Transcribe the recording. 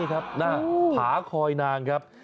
นี่ครับผาคอยนางครับ